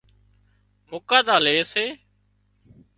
مُڪاڌا لي سي